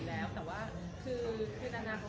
และเลยได้เจอกันวันหนึ่ง